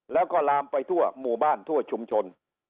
แล้วก็ลามไปทั่วหมู่บ้านทั่วชุมชน